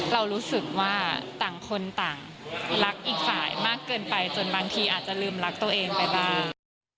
เรารู้สึกว่าต่างคนต่างรักอีกฝ่ายมากเกินไปจนบางทีอาจจะลืมรักตัวเองไปบ้าง